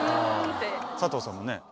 佐藤さんもね